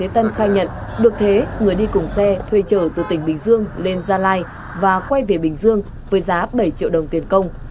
tân khai nhận được thế người đi cùng xe thuê trở từ tỉnh bình dương lên gia lai và quay về bình dương với giá bảy triệu đồng tiền công